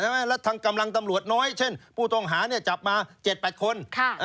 แล้วทางกำลังตำรวจน้อยเช่นผู้ต้องหาจับมา๗๘คน